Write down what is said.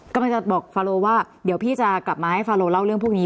กำลังจะบอกฟาโลว่าเดี๋ยวพี่จะกลับมาให้ฟาโลเล่าเรื่องพวกนี้